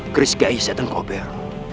geris kiai setan kober